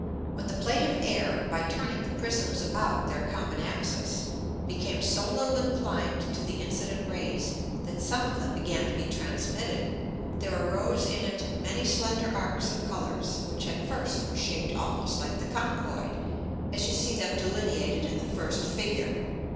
When the Plate of Air, by turning the Prisms about their common Axis, became so little inclined to the incident Rays, that some of them began to be transmitted, there arose in it many slender Arcs of Colours which at first were shaped almost like the Conchoid, as you see them delineated in the first Figure.